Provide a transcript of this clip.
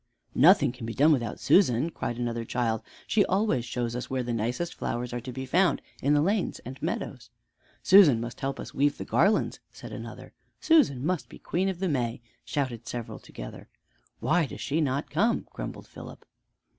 "Nothing can be done without Susan!" cried another child. "She always shows us where the nicest flowers are to be found in the lanes and meadows." "Susan must help to weave the garlands," said another. "Susan must be Queen of the May!" shouted several together. "Why does she not come?" grumbled Philip.